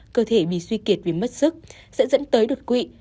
cơ thể bị suy kiệt vì mất sức sẽ dẫn tới đột quỵ